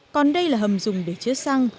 còn đây là hầm dùng để chứa xăng